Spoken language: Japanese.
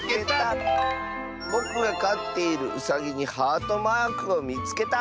「ぼくがかっているうさぎにハートマークをみつけた！」。